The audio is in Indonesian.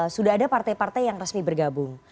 sudah ada partai partai yang resmi bergabung